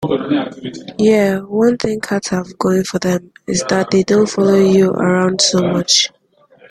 Yeah, one thing cats have going for them is that they don't follow you around so much.